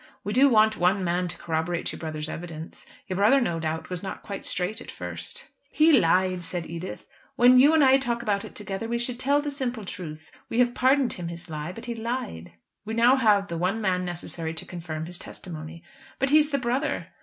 We do want one man to corroborate your brother's evidence. Your brother no doubt was not quite straight at first." "He lied," said Edith. "When you and I talk about it together, we should tell the simple truth. We have pardoned him his lie; but he lied." "We have now the one man necessary to confirm his testimony." "But he is the brother."